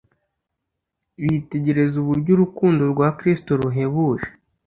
Bitegereza uburyo urukundo rwa Kristo ruhebuje.